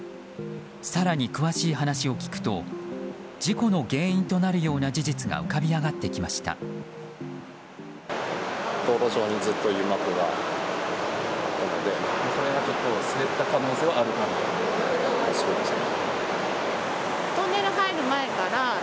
更に、詳しい話を聞くと事故の原因となるような事実が浮かび上がってきました。